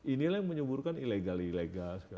inilah yang menyuburkan ilegal ilegal